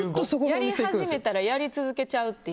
やり始めたら、やり続けちゃう。